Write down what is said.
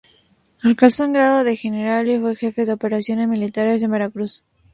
Alcanzó el grado de general y fue jefe de operaciones militares en Veracruz.